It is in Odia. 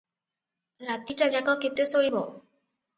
ରାତିଟାଯାକ କେତେ ଶୋଇବ?